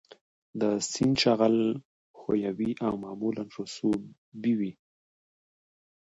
د سیند جغل ښوی وي او معمولاً رسوبي وي